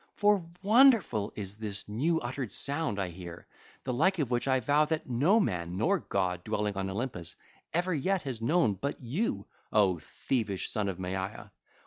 For wonderful is this new uttered sound I hear, the like of which I vow that no man nor god dwelling on Olympus ever yet has known but you, O thievish son of Maia.